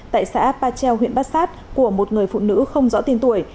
tại xã pachel huyện bát sát của một người phụ nữ không rõ tiền tuổi